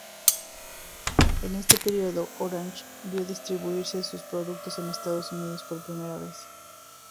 En este periodo Orange vio distribuirse sus productos en Estados Unidos por vez primera.